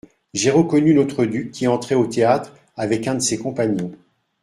J'ai reconnu notre duc qui entrait au théâtre avec un de ses compagnons.